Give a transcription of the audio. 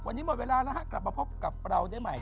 วันนี้หมดเวลาแล้วฮะกลับมาพบกับเราได้ใหม่